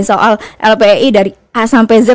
soal lpei dari a sampai z